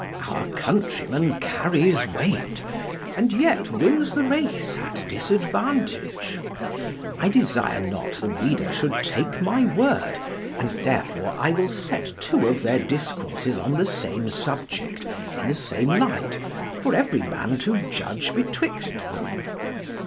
Our countryman carries weight, and yet wins the race at disadvantage. I desire not the reader should take my word, and therefore I will set two of their discourses on the same subject, in the same light, for every man to judge betwixt them.